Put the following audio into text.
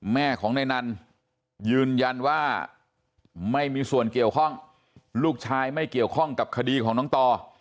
แม่ของนายนันยืนยันว่าไม่มีส่วนเกี่ยวข้องลูกชายไม่เกี่ยวข้องกับคดีของน้องต่อ